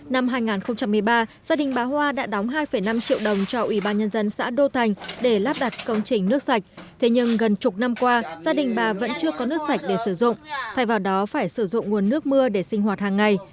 năm hai nghìn một mươi ba gia đình bà hoa đã đóng hai năm triệu đồng cho ủy ban nhân dân xã đô thành để lắp đặt công trình nước sạch thế nhưng gần chục năm qua gia đình bà vẫn chưa có nước sạch để sử dụng thay vào đó phải sử dụng nguồn nước mưa để sinh hoạt hàng ngày